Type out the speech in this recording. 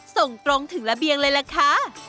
ส่งตรงถึงระเบียงเลยล่ะค่ะ